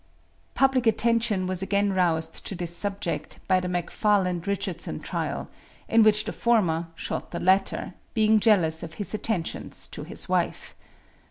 Public attention was again roused to this subject by the McFarland Richardson trial, in which the former shot the latter, being jealous of his attentions to his wife.